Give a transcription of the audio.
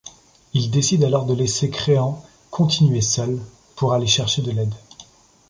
Ils décident alors de laisser Crean continuer seul, pour aller chercher de l'aide.